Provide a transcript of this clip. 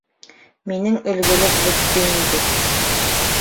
Минең өлгөлөк бөттө инде.